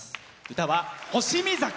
歌は「星見酒」。